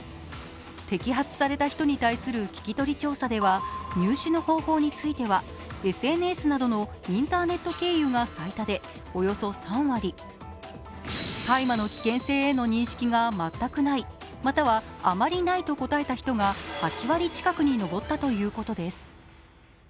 摘発された人に対する聞き取り調査では、入手の方法についてはＳＮＳなどのインターネット経由が最多で、およそ３割、大麻の危険性への認識が全くない、またはあまりないと答えた人が８割近くに上ったということです。